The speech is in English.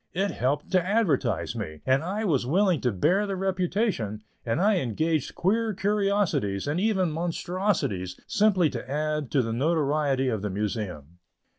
It helped to advertise me, and I was willing to bear the reputation and I engaged queer curiosities, and even monstrosities, simply to add to the notoriety of the Museum.